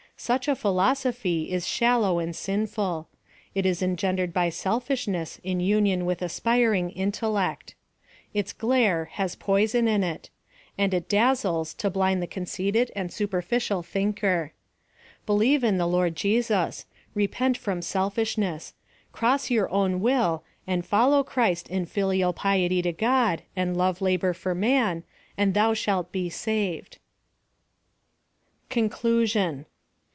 Such a philosophy is shallow and sinful; it is engendered by selfishness in union with aspiring intellect. Its glare has poison in it ; and it dazzles to blind the conceited and superficial thinker. Believe in the Lord Jesus — repent from selfishness — cross your own will, and follow Christ in filial piety to God aud love labor for man, and thou shalt be saved. 286 PLAN OP SALVATION. CONCLUSION.